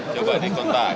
coba di kontak